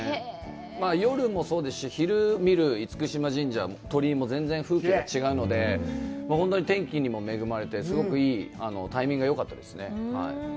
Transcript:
夜もそうですし、昼に見る嚴島神社、鳥居も全然風景が違うので、本当に天気にも恵まれて、すごくいい、タイミングがよかったですね。